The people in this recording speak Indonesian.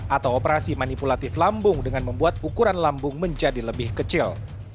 atau operasi manipulatif lambung dengan membuat ukuran lambung menjadi lebih kecil